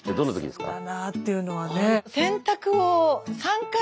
休めたなっていうのはね。